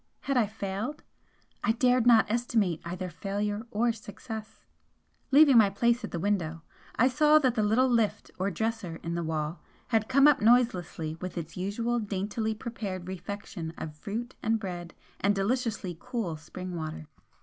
Had I failed? I dared not estimate either failure or success! Leaving my place at the window, I saw that the little 'lift' or dresser in the wall had come up noiselessly with its usual daintily prepared refection of fruit and bread and deliciously cool spring water.